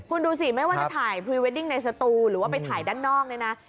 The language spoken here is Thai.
คุณดูสิไม่ว่าจะถ่ายพรีเวดดิ้งในสตูหรือว่าไปถ่ายด้านนอกเนี่ยนะ